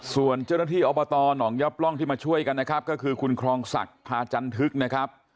ส่วนเจ้าหน้าที่อบตหนองยับร่องที่มาช่วยกันนะครับก็คือคุณครองศักดิ์พาจันทึกนะครับ